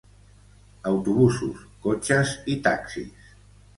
Autobusos, cotxes i taxis.